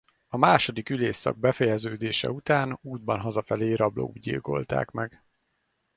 A második ülésszak befejeződése után útban hazafelé rablók gyilkolták meg.